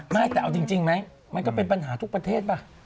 ไม่แต่เอาจริงไหมมันก็เป็นปัญหาทุกประเทศป่ะ